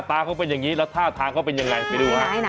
ใช้เมียได้ตลอด